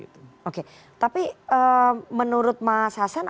tapi menurut mas hasan